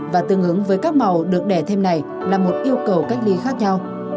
và tương ứng với các màu được đẻ thêm này là một yêu cầu cách ly khác nhau